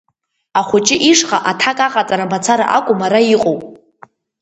Ахәыҷы ишҟа аҭак аҟаҵара мацара акәым араҟа иҟоу.